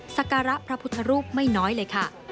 สการะพระพุทธรูปไม่น้อยเลยค่ะ